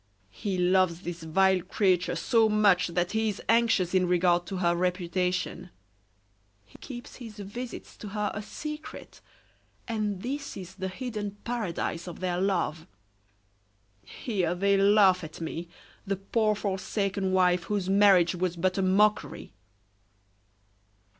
He loves this vile creature so much that he is anxious in regard to her reputation; he keeps his visits to her a secret, and this is the hidden paradise of their love. Here they laugh at me, the poor forsaken wife, whose marriage was but a mockery."